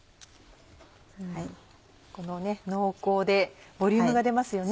濃厚でボリュームが出ますよね。